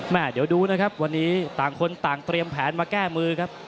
มาจากเอฟรีกรุ๊ปมีเข่าทั้งนั้นเลยครับ